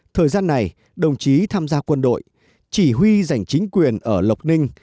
thời gian này đồng chí tham gia quân đội chỉ huy giành chính quyền ở lộc ninh